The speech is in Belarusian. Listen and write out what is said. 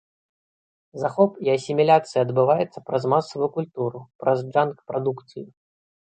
Захоп і асіміляцыя адбываецца праз масавую культуру, праз джанк-прадукцыю.